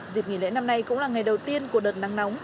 dịp nghỉ lễ năm nay cũng là ngày đầu tiên của đợt nắng nóng